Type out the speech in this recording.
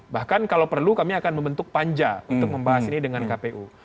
bahkan kalau perlu kami akan membentuk panja untuk membahas ini dengan kpu